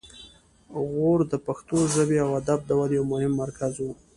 غور د پښتو ژبې او ادب د ودې یو مهم مرکز و